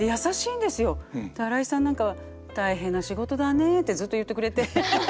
新井さんなんかは「大変な仕事だね」ってずっと言ってくれて。